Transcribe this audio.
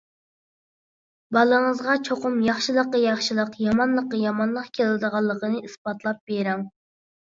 بالىڭىزغا چوقۇم «ياخشىلىققا ياخشىلىق، يامانلىققا يامانلىق» كېلىدىغانلىقىنى ئىسپاتلاپ بېرىڭ.